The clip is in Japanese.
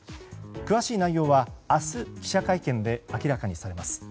詳しい内容は明日、記者会見で明らかにされます。